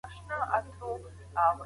سستي تل ماتي راولي